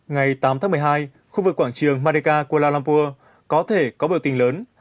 ngày tám một mươi hai khu vực quảng trường madhaka kuala lumpur có thể có biểu tình lớn